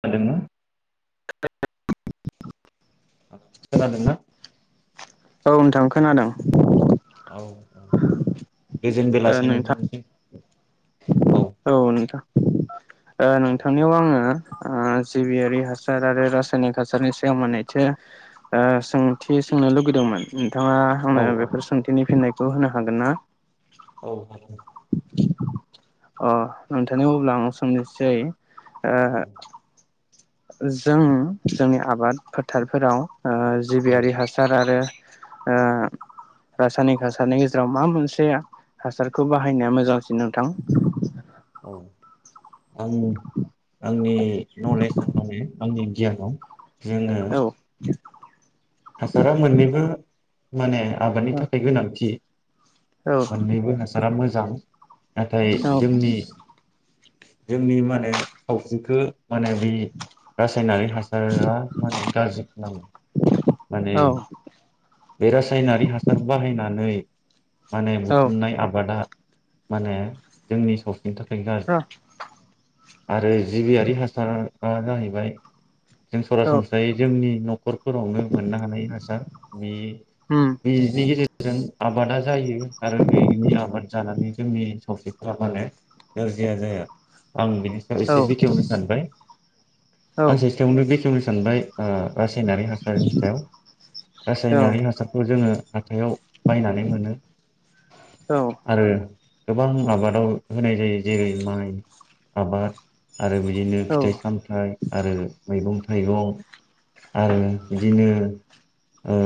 खोनादोंना? [unintelligible] खोनादोंना? औ नोंथां खोनादों। औ औ [inaudible] गोजोन ओ बेलासे नोंथां नोंथांनिसिम। औ। [unintelligible] ओ औ नोंथांनियाव आङो ओ जिबियारि हासार आरो रासायनिक हासारनि सायाव मानैथो सोंथि सोंनो लुगैदोंमोन। थाङा आंनो औ बेफोर सोंथिनि फिन्नाय बेखौ होनो हागोन ना? औ हागोन अ नोंथांनि अब्ला आं सोंनोसै ओ औ जों जोंनि आबाद फोथारफोराव ओ औ जिबियारि हासार आरो ओ‌ रासायनिक हासारनि गेजेराव मा मोनसे हासारखौ बाहायनाया मोजांसिन नोंथां? औ। आं आंनि नलेजाव माने आंनि गियानाव जोङो औ हासारा मोननैबो। माने आबादनि औ थाखाय गोनांथि। औ मोननैबो हासारा मोजां नाथाय जोंनि जोंनि माने सावस्रिखौ माने बै रासायनारि हासारा माने गाज्रि खालामो। माने औ बे रासायनारि हासार बाहायनाय नै माने बुथुमनाय आबादा माने जोंनि सा नि थाखाय गारज औ आरो जिबियारि हासार आ जाहैबाय जों औ सरासनस्रायै जोंनि न' खरफोराव मोननो हानाय हासार बे उम नि गेजेरजों जों आबादा जायो आरो बेनि आबाद जानानै जोंनि सावस्रिफोरा माने नोरजिया जाया। आं बिनि सायाव औ एसे बेखेवनो सानबाय औ आं सेसथायावनो बेखेवनो सान सानबाय ओ रासायनारि हासारनि रासायनारि हासारखौ जोङो हाथायाव बायनानै मोनो औ आरो गोबां आबादाव होनाय जायो जेरै माइ आबाद आरो बिदिनो औ फिथाइ-सामथाइ आरो मैगं-थाइगं आरो बिदिनो ओ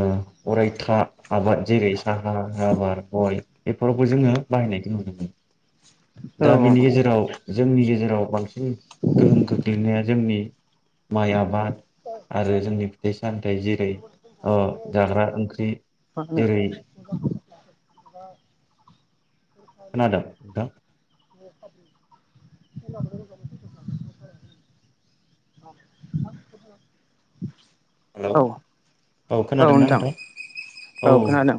अरायथा आबाद जेरै साहा राबार गय बेफोरावबो जोङो बाहायनायखौ नुनो मोनो। औ दा मा बिनि गेजेराव जोंनि गेजेराव बांसिन गोहोम खोख्लैनाया जोंनि माइ आबाद आरो जोंनि फिथाइ सामथाइ जेरै अ जाग्रा ओंख्रि मा होनो जेरै खोनादों नोंथां हेलौ, औ औ नोंथां औ खोनादों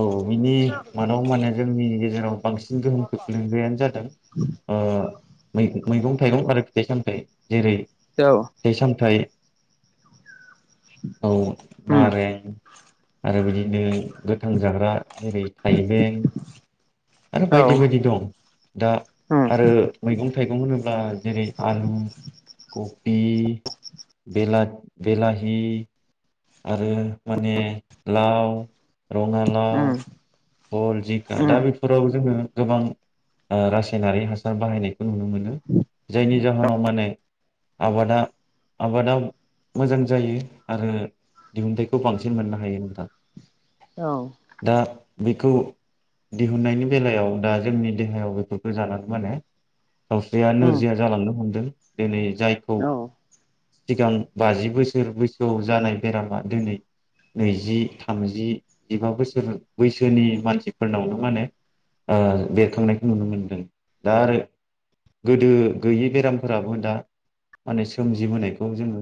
औ बिनि मादाव माने जोंनि गेजेराव बांसिन गोहोम खोख्लैग्रायानो जादों ओ मैगं थाइगं आरो फिथाइ-सामथाइ जेरै औ दै सामथाइ औ उम नारें आरो बिदिनो गोथां जाग्रा जेरै थाइबें आरो औ बायदि बायदि दं दा उम आरो मैगं थाइगं होनोब्ला जेरै आलु कबि बेला बेलाहि आरो माने लाव रङालाव उम भल जिंखि उम दा बेफोराव जोङो गोबां रासायनारि हासार बाहायनायखौ नुनो मोनो जायनि जाहोनाव माने आबादा आबादा मोजां जायो आरो दिहुनथायाइखौ बांसिन मोननो हायो नोंथां औ बेखौ दिहुनन्नायनि बेलायाव दा जोंनि देहायाव बेफोरखौ जानानै माने सावस्रिया उम नोरजिया जालांनो हमदों दिनै जायखौ औ सिगां बाजि बोसोर बैसोआव जानाय बेरामा दिनै नैजि थामजि जिबा बोसोर बैसोनि मानसिफोरनावनो ओ माने बेरखांनायखौ नुनो मोनदों दा आरो गोदो गैयि बेरामफोराबो दा माने सोमजिबोनायखौ जोङो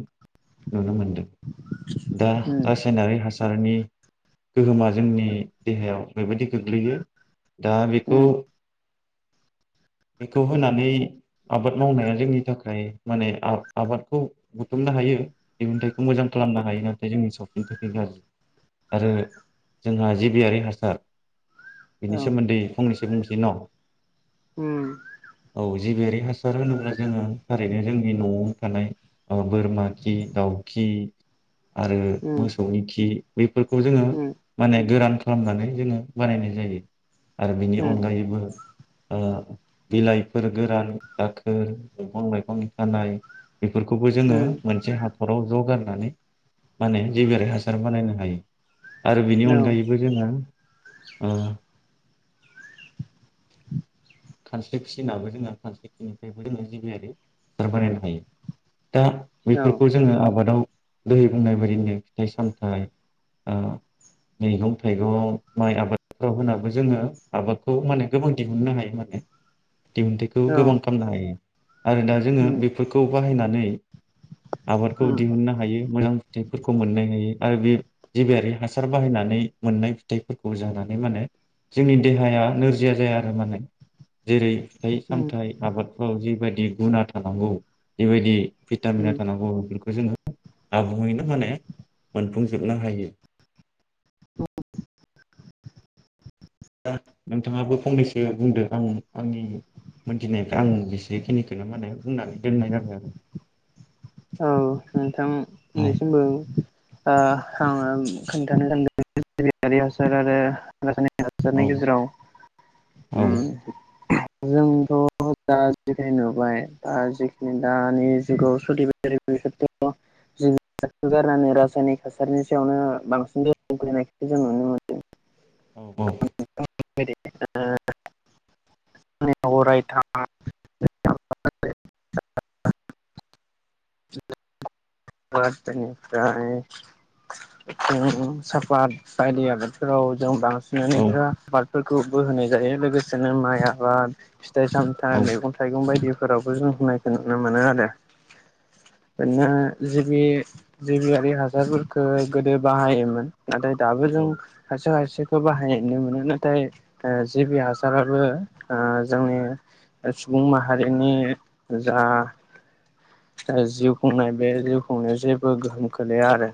नुनो मोनदों दा उम औ उम औ उम रासायनारि हासारनि गोहोमा जोंनि देहायाव बेरैबायदि गोग्लैयो दा बेखौ बेखौ होनानै आबाद मावनाया जोंनि थाखाय माने आबादखौ बुथुमनो हायो दिहुनथाइखौ मोजां खालामनो हायो नाथाय जोंनि सावस्रिनि थाखाय गाज्रि आरो जोंहाआ जिबियारि हासार बिनि उम उम औ सोमोन्दै फंनैसो बुंसै न औ जिबियारि हासार होनोब्ला जोङो थारैनो जोंनि नआव थानाय बोरमा खि दाउ खि आरो मोसौनि खि बैफोरखौ जोङो माने गोरान खालामनानै जोङो बानायनाय जायो आरो बिनि अनगायैबो ओ बिलाइफोर गोरान दाखोर दंफां लाइफं खानाय बेफोरखौबो जोङो मोनसे हाथराव ज गारनानै माने जि बेेराइ हासार बानायनो हायो आरो बिनि अनगायैबो जोङो ओ खानस्रि फिसिनाबो जोङो खानस्रि खिनिफ्रायबो जोङो जिबियारि हासार बानायनो हायो दा बेफोरखौ जोङो आबादाव दै बुंनाय बायदिनो फिथाइ-सामथाइ ओ मैगं थाइगं माइ आबादफ्राव होनाबो जोङो आबादखौ माने गोबां दिहुननो हायो माने दिहुनथाइखौ गोबां खालामनो हायो आरो दा जोङो बेफोरखौ बाहायनानै आबादखौ दिहुननो हायो मोजां फिथाइफोरखौ मोननाय नुयो आरो बे जिबियारि हासार बाहायनानै मोननाय फिथाइफोरखौ जानानै माने जोंनि देहाया नोरजिया जाया आरो माने जेरै फिथाइ सामथाइ आबादफ्राव जिबायदि गुना थानांगौ जिबायदि भिटामिना थानांगौ बेफोरखौ जोङो आबुङैनो माने मोनफुंजोबनो हायो। नोंथाङाबो फंनैसो बुंदो आं आंनि मोनथिनायखो आं बेसेखिनिखौनो माने बुंनानै दोननाय जाबाय आरो नोंथांनिसिमबो ओ आङो खोनथानो [unintelligible] हासार आरो रासायनारि हासार हासारनि गेजेराव औ उम जोंथ' दा जिखिनि नुबाय दा जिखिनि दानि जुगाव सोलिबाय जि गारनानै रासायनिक थासारनि सायावनो बांसिन गोहोम गोग्लैनायखौ जों नुनो मोनदों औ औ [unintelligible] बेनिफ्राय उम साफाद बायदि आबादफोराव जों औ बांसिनानो इदिनो फोरखौबो होनाय जायो लोगोसेनो माइ आबाद। फिथाइ सामथाइ औ मैगं थाइगं बायदि फोरावबो जों होनायखौ नुनो मोनो आरो दानिया जिबि जिबियारि हासारफोरखो गोदो बाहायोमोन। नाथाय दाबो औ जों हारसिं हारसि खौ बाहायनाय नुनो मोनो नाथाय ओ जिबि हासाराबो जोंनि सुबुं माहारिनि जा जिउ खुंनाय बे जिउ खुंनायाव जेबो गोहोम खोलैया आरो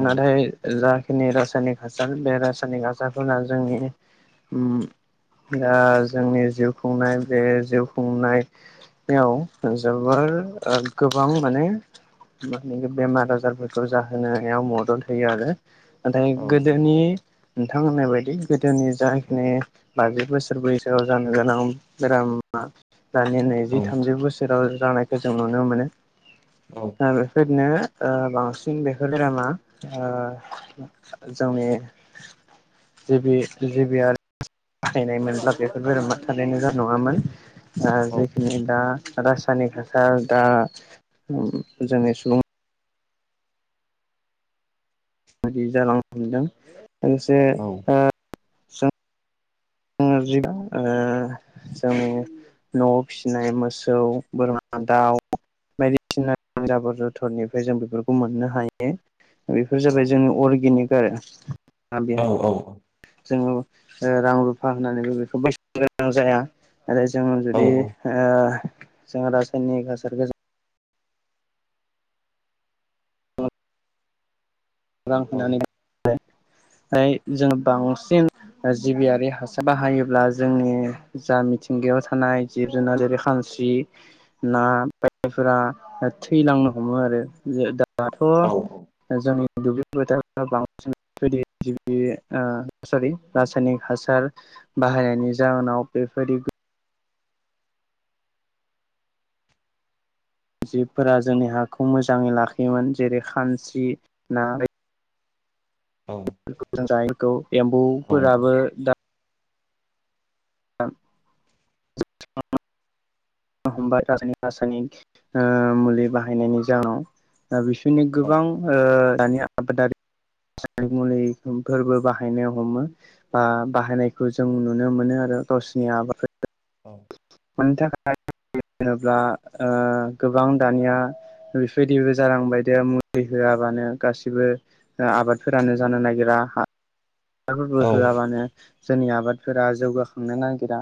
औ नाथाय जा खिनि रासायनिक हासार बे रासायनिक हासारफोरा जोंनि दा जोंनि जिउ खुंनाय बे जिउ खुंनायाव जोबोर ओ गोबां माने बेमार आजारफोरखौ जाहोनायाव मदद होयो आरो नाथाय गोदोनि नोंथांहोननाय बायदि गोदोनि जाखिनि बाजि बोसो र बैसोआव जानो गोनां बेरामा दानि औ नैजि थामजि बोसोराव जानायखौ जों नुनो मोनो। औ ओ बेफोरबायदिनो ओ बांसिन बेफोर बेरामा ओ जोंनि जिबि जिबियारि बाहायनाय मोनब्ला बेफोर बेरामा थारैनो जानाय नङामोन। जा जिखिनि दा रासायनिक हासार दा-दा जोंनि सुबुं मादि जालांनो हमदों मोनसे ओ सों [unintelligible] ओ जोंनि न'वाव फिसिनाय मोसौ बोरमा दाउ बायदिसिना जाबर जथरनिफ्राय जों बेफोरखौ मोननो हायो। बेफोर जाबाय जोंनि अर्गेनिक [unintelligible] औ बेहाय औ जोङो रां रुफा होनानैबो बेखौ बायनो गोनां जाया। आरो जों जुदि ओ जोंहा रासायनिक हासारखो जों [unintelligible] जों बांसिन जिबियारि हासार बाहायोब्ला जोंनि जा मिथिंगायाव थानाय जिब जुनार जेरै खानस्रि ना बायदिफोरा थैलांनो हमो आरो [unintelligible] दाथ' जों दुब्लि बोथारफ्राव बांसिन बेफोर बायदि ओ रासायनिक हासार बाहायनायनि जाहोनाव बेफोरबायदि जिबफोरा जोंनि हाखौ मोजाङै लाखियोमोन जेरै खानस्रि ना जों जायखौ औ एम्बौफोराबो दा [unintelligible] हमबाय द रासायनिक ओ मुलि बाहायनायनि जाहोनाव बिसोरनि गोबां ओ दानि आबादारि मुलि फोरबो बाहायनो हमो बा बाहायनायखौ जों नुनो मोनो आरो गावसोरनि आबाद मानि थाखाय होनोब्ला ओ गोबां दानिया बेफोरबायदिबो जालांबायदो मुलि होआबानो गासिबो आबादफोरानो जानो नागिरा हा औ हासारफोरबो होआबानो जोंनि आबाद फोरा जौगाखांनो नागिरा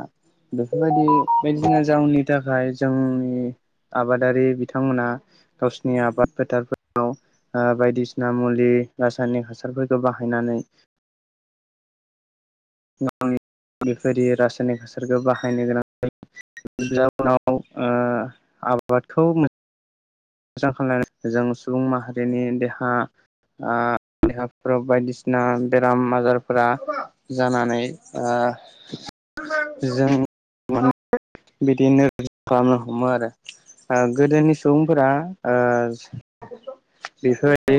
बेफोरबायदि बायदिसिना जाउनि थाखाय जोंनि आबादारि बिथांमोना गावसिनि आबाद फोथारफोराव ओ बायदिसिना मुलि रासायनिक हासारफोरखौ बाहायनानै [unintelligible] बेफोरदि रासायनिक हासारखौ बाहायनो गोनां जायो जाउनाव ओ आबादखौ [unintelligible] जों सुबुं माहारिनि देहा ओ देहाफोराव बायदिसिना बेराम आजारफोरा जानानै ओ जों बिदिनोज खालामनो हमो आरो ओ गोदोनि सुबुं फोरा ओ बेफोरबायदि